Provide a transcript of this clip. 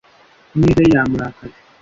Ineza ye yamurakaje.